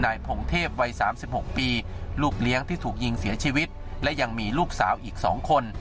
พงเทพวัย๓๖ปีลูกเลี้ยงที่ถูกยิงเสียชีวิตและยังมีลูกสาวอีก๒คน